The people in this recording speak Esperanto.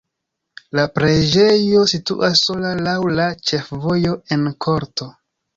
La preĝejo situas sola laŭ la ĉefvojo en korto.